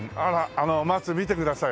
あの松見てください。